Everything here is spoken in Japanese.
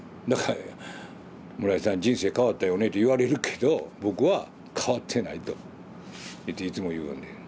だから「村井さん人生変わったよね」って言われるけど僕は変わってないといっていつも言うんで。